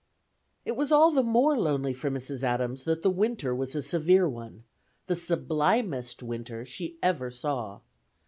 It was all the more lonely for Mrs. Adams that the winter was a severe one: "the sublimest winter" she ever saw.